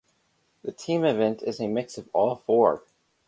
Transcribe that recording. The team event is a mix of all four.